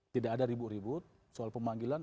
tidak ada ribut ribut soal pemanggilan